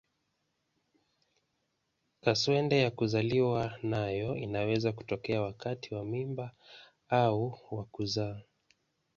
Kaswende ya kuzaliwa nayo inaweza kutokea wakati wa mimba au wa kuzaa.